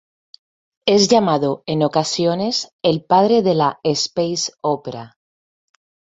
Es llamado en ocasiones el "padre de la "space opera"".